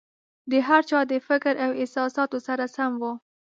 د هر چا د فکر او احساساتو سره سم وو.